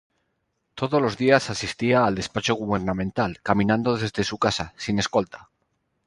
Todos los días asistía al despacho gubernamental caminando desde su casa, sin escolta.